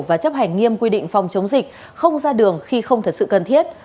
và chấp hành nghiêm quy định phòng chống dịch không ra đường khi không thật sự cần thiết